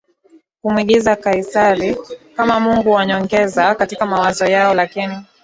kumwingiza Kaisari kama mungu wa nyongeza katika mawazo yao Lakini